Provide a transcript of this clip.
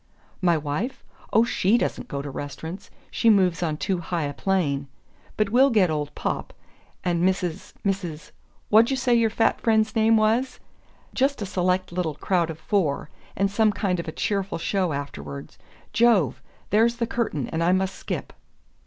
"My wife ? Oh, SHE doesn't go to restaurants she moves on too high a plane. But we'll get old Popp, and Mrs. , Mrs. , what'd you say your fat friend's name was? Just a select little crowd of four and some kind of a cheerful show afterward... Jove! There's the curtain, and I must skip."